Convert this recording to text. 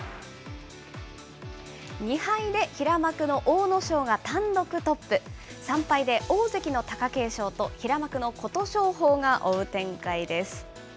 ２敗で平幕の阿武咲が単独トップ、３敗で大関の貴景勝と平幕の琴勝峰が追う展開です。